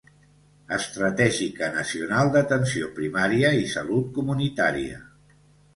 Estratègica nacional d'atenció primària i salut comunitària.